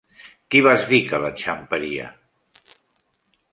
Qui vas dir que l'enxamparia?